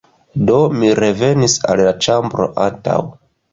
Do, mi revenis al la ĉambro antaŭ